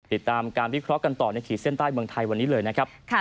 ติดตามการวิเคราะห์กันต่อในขีดเส้นใต้เมืองไทยวันนี้เลยนะครับ